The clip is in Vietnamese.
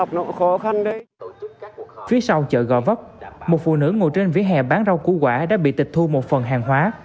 phía sau chợ gò vấp một phụ nữ ngồi trên vỉa hè bán rau củ quả đã bị tịch thu một phần hàng hóa